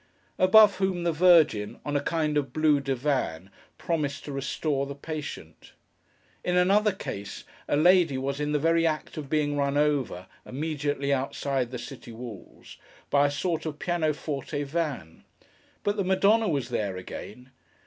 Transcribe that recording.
Above whom, the Virgin, on a kind of blue divan, promised to restore the patient. In another case, a lady was in the very act of being run over, immediately outside the city walls, by a sort of piano forte van. But the Madonna was there again.